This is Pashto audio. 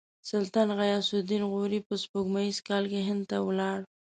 سلطان غیاث الدین غوري په سپوږمیز کال کې هند ته ولاړ.